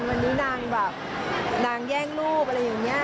วันนี้นางแย่งรูปอะไรอย่างนี้